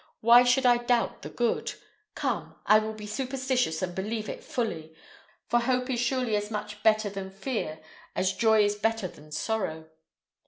Why should I doubt the good? Come, I will be superstitious, and believe it fully; for hope is surely as much better than fear as joy is better than sorrow.